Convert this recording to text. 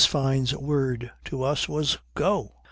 Fyne's word to us was "Go!"